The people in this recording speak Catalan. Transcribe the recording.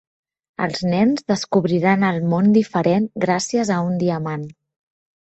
Els nens descobriran el món diferent gràcies a un diamant.